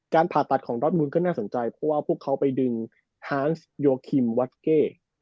ผ่าตัดของดอทมูลก็น่าสนใจเพราะว่าพวกเขาไปดึงฮานส์โยคิมวัสเก้